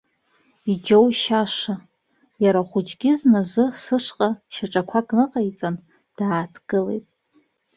Иџьоушьаша, иара ахәыҷгьы зназы сышҟа шьаҿақәак ныҟаиҵан, дааҭгылеит.